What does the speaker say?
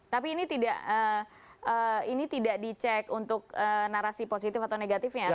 tapi ini tidak dicek untuk narasi positif atau negatifnya ya